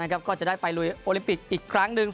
ก็จะได้ไปลุยโอลิมปิกอีกครั้งหนึ่ง